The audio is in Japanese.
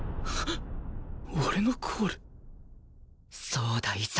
そうだ潔。